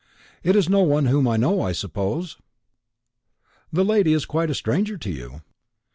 "It is no one whom I know, I suppose?" "The lady is quite a stranger to you."